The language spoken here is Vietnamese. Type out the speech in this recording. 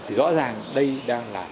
rõ ràng đây đang là